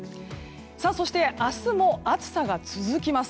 そして明日も暑さが続きます。